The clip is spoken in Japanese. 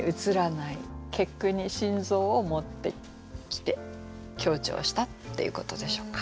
結句に「心臓」を持ってきて強調したっていうことでしょうか。